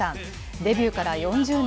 デビューから４０年。